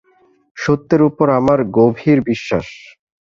সত্যের উপর আমার গভীর বিশ্বাস।